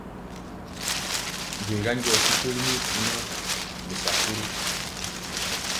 Gwega njɔ sikoli nii kunaa nɛ sapuru!